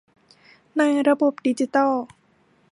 ในระบบดิจิทัล